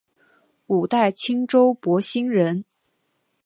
五代青州博兴人。